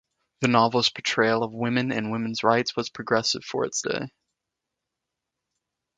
The novel's portrayal of women and women's rights was progressive for its day.